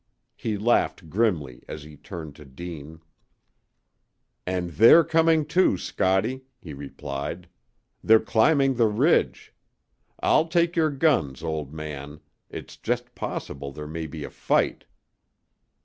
He laughed grimly as he turned to Deane. "And they're coming, too, Scottie," he replied. "They're climbing the ridge. I'll take your guns, old man. It's just possible there may be a fight!"